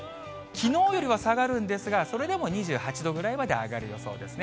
きのうよりは下がるんですが、それでも２８度ぐらいまで上がる予想ですね。